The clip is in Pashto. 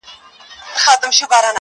غلیمان به یې تباه او نیمه خوا سي٫